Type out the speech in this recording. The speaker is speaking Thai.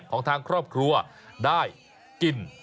ของทางครอบครัวได้กิน